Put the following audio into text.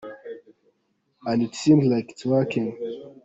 and it seems like its working!